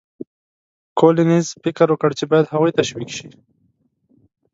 کولینز فکر وکړ چې باید هغوی تشویق شي.